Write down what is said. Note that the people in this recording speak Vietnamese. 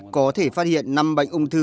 có thể phát hiện năm bệnh ung thư